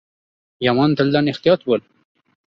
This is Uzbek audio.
• Yomon tildan ehtiyot bo‘l.